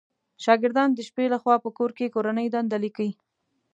شاګردان د شپې لخوا په کور کې کورنۍ دنده ليکئ